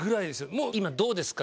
もう今どうですか？